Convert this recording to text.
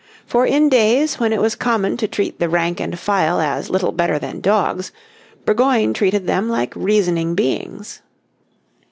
For in days when it was common to treat the rank and file as a little better than dogs, Burgoyne treated them like reasoning beings.